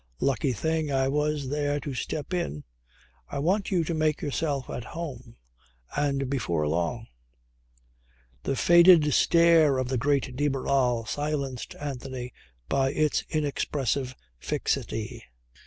"Lucky thing I was there to step in. I want you to make yourself at home, and before long " The faded stare of the Great de Barral silenced Anthony by its inexpressive fixity.